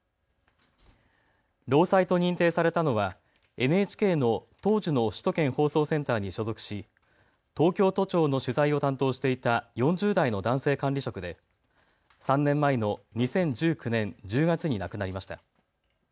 労災と認定されたのはＮＨＫの当時の首都圏放送センターに所属し東京都庁の取材を担当していた４０代の男性管理職で３年前の２０１９年１０月に亡くなりました。